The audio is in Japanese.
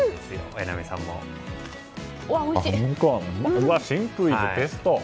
うわ、シンプルイズベスト！